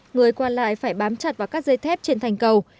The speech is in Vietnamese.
người qua lại phải bám chặt vào các dây thép trên thành cầu